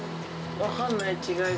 分かんない、違いが。